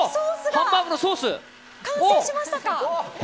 ハンバーグのソースが完成しましたか。